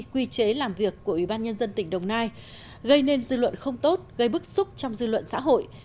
quy chế làm việc của ủy ban nhân dân tỉnh đồng nai gây nên dư luận không tốt gây bức xúc trong dư luận xã hội